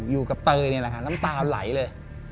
อยู่กับเต้นี่แหละค่ะน้ำตาไหล่เลย